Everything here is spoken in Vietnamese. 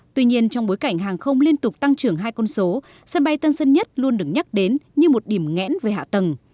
tuy nhiên trong bối cảnh hàng không liên tục tăng trưởng hai con số sân bay tân sơn nhất luôn được nhắc đến như một điểm nghẽn về hạ tầng